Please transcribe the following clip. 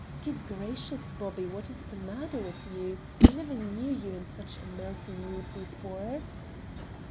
"Good gracious, Bobby, what is the matter with you? I never knew you in such a melting mood before?"